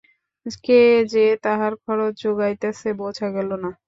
কে যে তাহার খরচ জোগাইতেছে বোঝা গেল না!